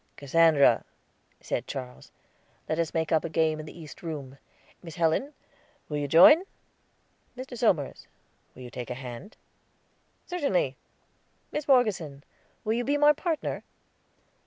"Cassandra," said Charles, "let us make up a game in the East Room. Miss Helen, will you join? Mr. Somers, will you take a hand?" "Certainly. Miss Morgeson, will you be my partner?"